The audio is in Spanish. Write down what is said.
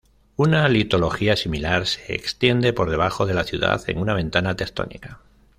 Una litología similar se extiende por debajo de la ciudad en una ventana tectónica.